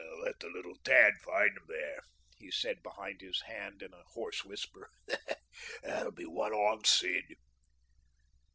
"Let the little tad find 'em there," he said behind his hand in a hoarse whisper. "That'll be one on Sid."